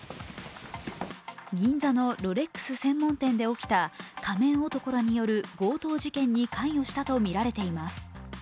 銀座のロレックス専門店で起きた仮面男らによる強盗事件に関与したとみられています。